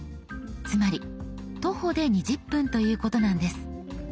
つまり徒歩で２０分ということなんです。